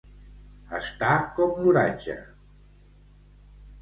Estar com l'oratge.